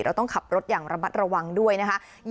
เราต้องขับรถอย่างระมัดระวังด้วยนะคะ